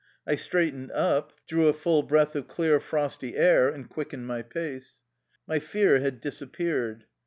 I straightened up, drew a full breath of clear, frosty air, and quickened my pace. My fear had disappeared.